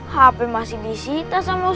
hp masih di sita sama ustadz